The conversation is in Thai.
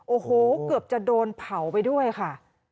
โอ้โหเกือบจะโดนเผาไปด้วยค่ะ